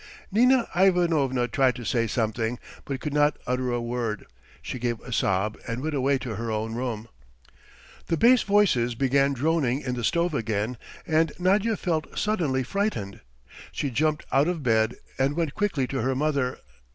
Nina Ivanovna tried to say something, but could not utter a word; she gave a sob and went away to her own room. The bass voices began droning in the stove again, and Nadya felt suddenly frightened. She jumped out of bed and went quickly to her mother.